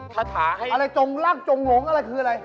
คาถาให้อะไรจงรักจงหลงอะไรคืออะไร